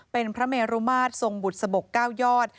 เป็นพระเมรุมาตรทรงบุษบก๙ยอด